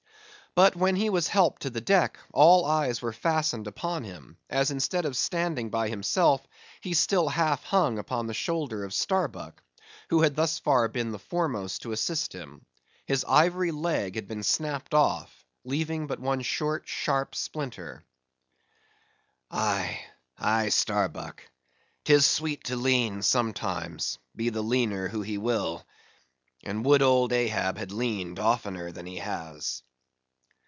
But when he was helped to the deck, all eyes were fastened upon him; as instead of standing by himself he still half hung upon the shoulder of Starbuck, who had thus far been the foremost to assist him. His ivory leg had been snapped off, leaving but one short sharp splinter. "Aye, aye, Starbuck, 'tis sweet to lean sometimes, be the leaner who he will; and would old Ahab had leaned oftener than he has."